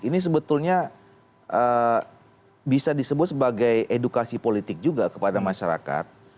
ini sebetulnya bisa disebut sebagai edukasi politik juga kepada masyarakat